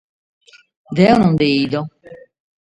Deo non nde bido.